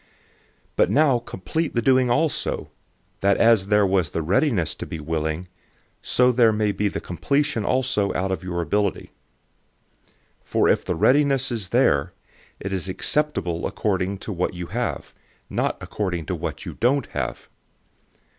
008:011 But now complete the doing also, that as there was the readiness to be willing, so there may be the completion also out of your ability. 008:012 For if the readiness is there, it is acceptable according to what you have, not according to what you don't have.